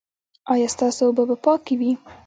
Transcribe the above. ایا ستاسو اوبه به پاکې وي؟